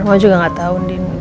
mama juga gak tau